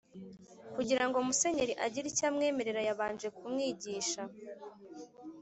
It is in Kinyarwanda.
" Kugira ngo Musenyeri agire icyo amwemerera yabanje kumwigisha